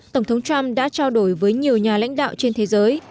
tổng thống trump đã trao đổi với nhiều nhà lãnh đạo trên thế giới